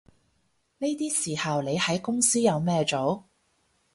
呢啲時候你喺公司有咩做